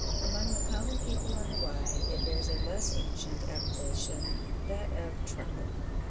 Among the common people on the Wye it bears a less ancient appellation that of "truckle."